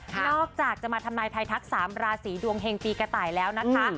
นอกจากจะมาทำนายไทยทัก๓ราศีดวงเฮงปีกระต่ายแล้วนะคะ